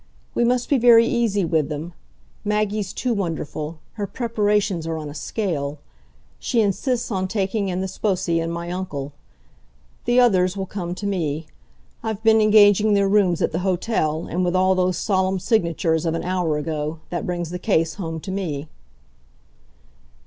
We must be very easy with them. Maggie's too wonderful her preparations are on a scale! She insists on taking in the sposi and my uncle. The others will come to me. I've been engaging their rooms at the hotel, and, with all those solemn signatures of an hour ago, that brings the case home to me."